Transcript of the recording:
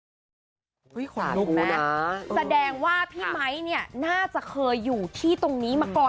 แสดงว่าพี่ไม้นี่น่าจะเคยอยู่ที่ตรงนี้มาก่อน